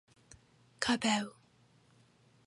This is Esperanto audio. kabeu